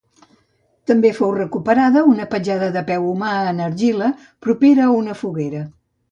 També fou recuperada una petjada de peu humà en l’argila propera a una foguera.